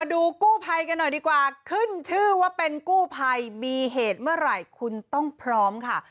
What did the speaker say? ดูกู้ภัยกันหน่อยดีกว่าขึ้นชื่อว่าเป็นกู้ภัยมีเหตุเมื่อไหร่คุณต้องพร้อมค่ะ